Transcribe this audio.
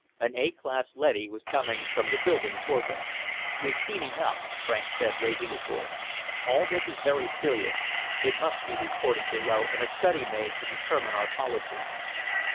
An A class leady was coming from the building toward them. "We've seen enough," Franks said, raising his voice. "All this is very serious. It must be reported below and a study made to determine our policy."